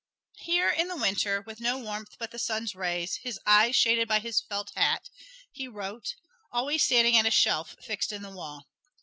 Here, in the Winter, with no warmth but the sun's rays, his eyes shaded by his felt hat, he wrote, always standing at a shelf fixed in the wall.